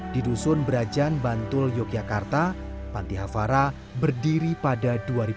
di dusun berajan bantul yogyakarta panti hafara berdiri pada dua ribu dua